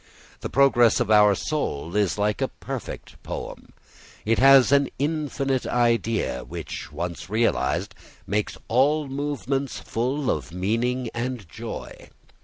The progress of our soul is like a perfect poem. It has an infinite idea which once realised makes all movements full of meaning and joy.